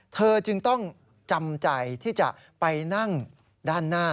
เธอจึงต้องจำใจที่จะไปนั่งด้านหน้า